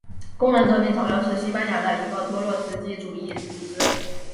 工人革命潮流是西班牙的一个托洛茨基主义组织。